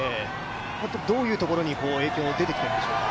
どういうところに影響が出てきているんでしょうか。